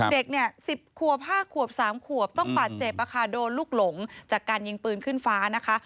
เด็กเนี่ย๑๐ขวบ๕ขวบ๓ขวบต้องบาดเจ็บโดนลูกหลงจากการยิงปืนขึ้นฟ้านะคะ